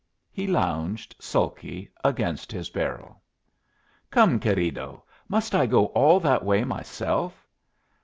He lounged, sulky, against his barrel. "Come, querido! Must I go all that way myself?